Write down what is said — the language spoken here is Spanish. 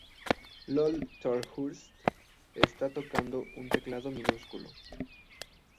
Lol Tolhurst está tocando un teclado minúsculo.